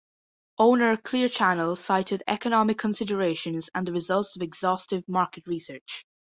Owner Clear Channel cited economic considerations and the results of exhaustive market research.